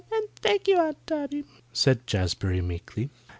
And thank you, Aunt Tabby," said Jazbury meekly.